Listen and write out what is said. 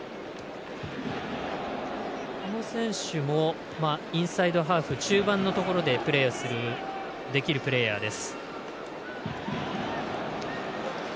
この選手もインサイドハーフ中盤のところでプレーするプレーヤーです。